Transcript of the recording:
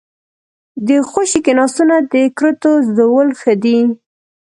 ـ د خوشې کېناستو نه د کرتو زدولو ښه دي.